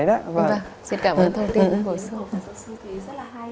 xin cảm ơn thông tin của sư phụ